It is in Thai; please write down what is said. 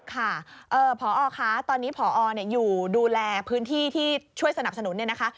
ค่ะพอคะตอนนี้พออยู่ดูแลพื้นที่ที่ช่วยสนับสนุนเนี่ยนะคะ